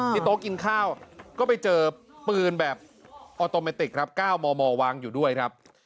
โต๊ะกินข้าวก็ไปเจอปืนแบบออโตเมติกครับ๙มมวางอยู่ด้วยครับ